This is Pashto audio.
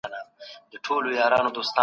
خیالي نړۍ د شګو په څیر نړیږي.